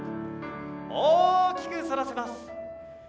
大きく反らせます。